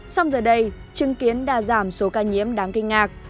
song giờ đây chứng kiến đã giảm số ca nhiễm đáng kinh ngạc